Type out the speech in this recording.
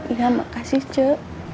iya mak kasih cu